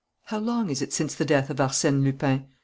... How long is it since the death of Arsène Lupin?"